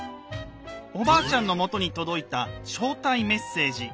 おばあちゃんのもとに届いた招待メッセージ。